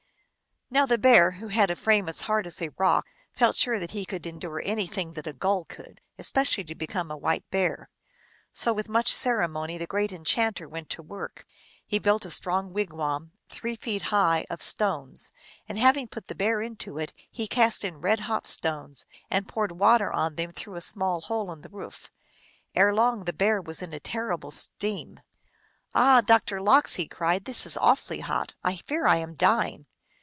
Now the Bear, who had a frame as hard as a rock, felt sure that he could endure anything that a gull could, especially to become a white bear. So, with much ceremony, the Great Enchanter went to work. He built a strong wigwam, three feet high, of stones, and having put the Bear into it he cast in red hot stones, and poured water on them through a small hole in the roof. Erelong the Bear was in a terrible steam. /" Ah, Doctor Lox," he cried, " this is awfully hot ! I fear I am dying